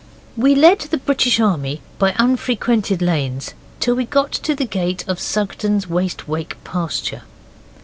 We led the British Army by unfrequented lanes till we got to the gate of Sugden's Waste Wake pasture.